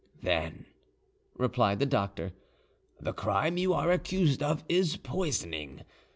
"Then," replied the doctor, "the crime you are accused of is poisoning.